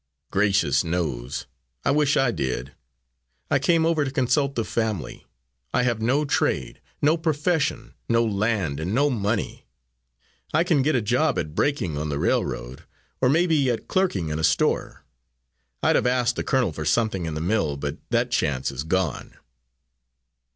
"Gracious knows I wish I did! I came over to consult the family. I have no trade, no profession, no land and no money. I can get a job at braking on the railroad or may be at clerking in a store. I'd have asked the colonel for something in the mill but that chance is gone."